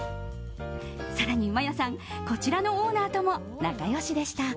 更にマヤさん、こちらのオーナーとも仲良しでした。